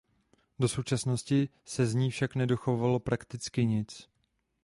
Do současnosti se z ní však nedochovalo prakticky nic.